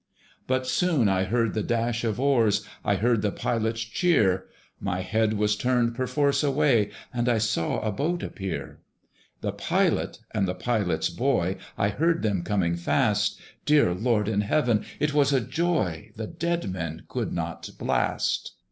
But soon I heard the dash of oars; I heard the Pilot's cheer; My head was turned perforce away, And I saw a boat appear. The Pilot, and the Pilot's boy, I heard them coming fast: Dear Lord in Heaven! it was a joy The dead men could not blast.